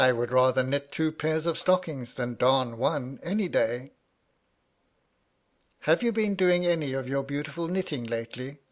would rather knit two pairs of stockings than dam one, any day." " Have you been doing any of your beautifiil knitting lately ?"